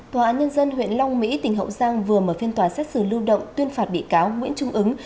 tòa án nhân dân huyện long mỹ tỉnh hậu giang vừa mở phiên tòa xét xử lưu động tuyên phạt bị cáo nguyễn trung ứng